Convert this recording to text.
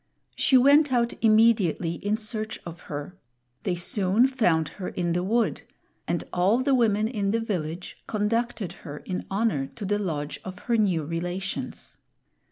She went out immediately in search of her; they soon found her in the wood, and all the women in the village conducted her in honor to the lodge of her new relations.